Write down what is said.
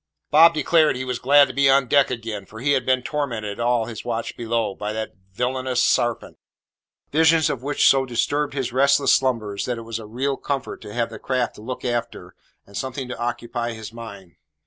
Bob declared he was glad to be on deck again, for he had been tormented, all his watch below, by "that villainous sarpent;" visions of which so disturbed his restless slumbers that it was a real comfort to have the craft to look after, and something to occupy his mind.